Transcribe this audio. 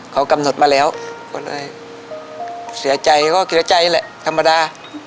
เขากำหนดมาแล้วก็เลยเสียใจก็เสียใจแหละธรรมดา